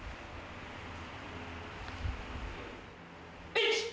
１！